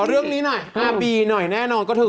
ขอเรื่องนี้หน่อยอาร์บีหน่อยแน่นอนก็ถือ